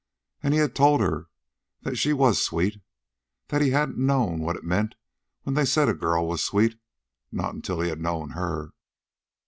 And he had told her that she was sweet; that he hadn't known what it meant when they said a girl was sweet, not until he had known her.